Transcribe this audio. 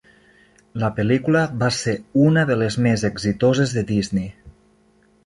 La pel·lícula va ser una de les més exitoses de Disney.